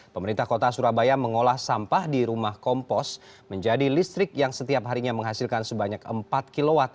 pemerintah kota surabaya mengolah sampah di rumah kompos menjadi listrik yang setiap harinya menghasilkan sebanyak empat kw